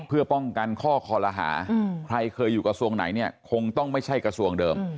เพื่อป้องกันข้อคอลหาใครเคยอยู่กระทรวงไหนเนี่ยคงต้องไม่ใช่กระทรวงเดิม